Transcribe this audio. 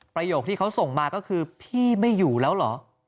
ประโยคที่เขาส่งมาก็คือพี่ไม่อยู่แล้วเหรอ